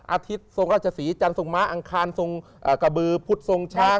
อาทิตย์ทรงราชศรีจันทรงม้าอังคารทรงกระบือพุทธทรงช้าง